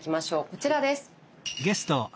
こちらです。